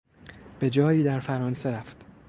به جایی در فرانسه رفت.